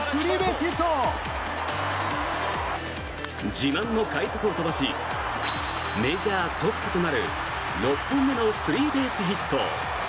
自慢の快足を飛ばしメジャートップとなる６本目のスリーベースヒット。